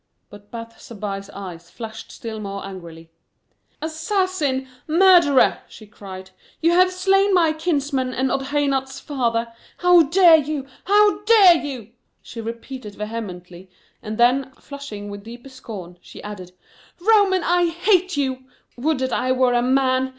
But Bath Zabbai's eyes flashed still more angrily: "Assassin, murderer!" she cried; "you have slain my kinsman and Odhainat's father. How dare you; how dare you!" she repeated vehemently, and then, flushing with deeper scorn, she added: "Roman, I hate you! Would that I were a man.